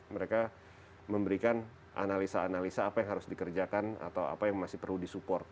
mereka memberikan analisa analisa apa yang harus dikerjakan atau apa yang masih perlu disupport